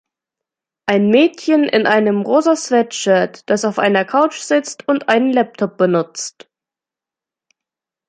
Ein Mädchen in einem rosa Sweatshirt, das auf einer Couch sitzt und einen Laptop benutzt.